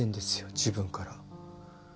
自分から。